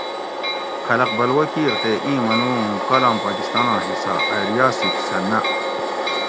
خلق بلوہ کیر تے اِیں منو اُُوں کالام پاکستاناں حصّہ ائی ریاست سہ نہ